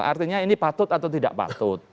artinya ini patut atau tidak patut